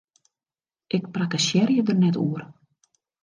Ik prakkesearje der net oer!